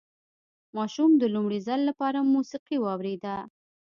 ماشوم د لومړي ځل لپاره موسيقي واورېده.